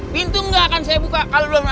bintu gak akan saya buka kalau luar nada